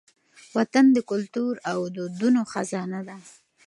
وطن د کلتور او دودونو خزانه ده.